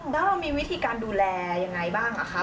แล้วเรามีวิธีการดูแลยังไงบ้างคะ